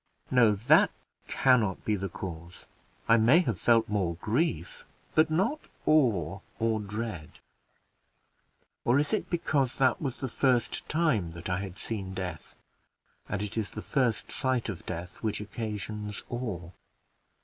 No, that can not be the cause; I may have felt more grief, but not awe or dread. Or is it because that was the first time that I had seen death, and it is the first sight of death which occasions awe?